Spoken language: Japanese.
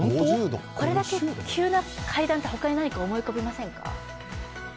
これだけ急な階段って他に何か思い浮かびませんか。